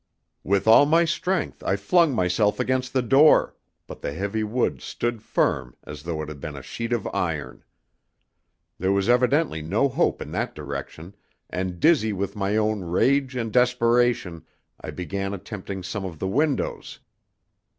With all my strength I flung myself against the door, but the heavy wood stood firm as though it had been a sheet of iron. There was evidently no hope in that direction, and dizzy with my own rage and desperation, I began attempting some of the windows.